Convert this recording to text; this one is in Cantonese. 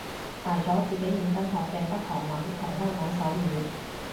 大咗自己認真學嘅得韓文同香港手語